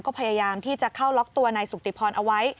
ก็พยายามที่จะเข้าล็อกตัวนายสุติพรเอาไว้